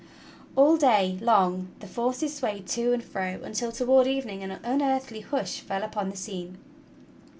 All day long the forces swayed to and fro, until toward evening an unearthly hush fell upon the scene.